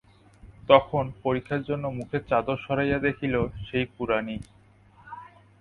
তখন পরীক্ষার জন্য মুখের চাদর সরাইয়া দেখিল, সেই কুড়ানি।